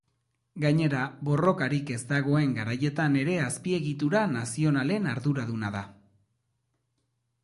Gainera, borrokarik ez dagoen garaietan ere azpiegitura nazionalen arduraduna da.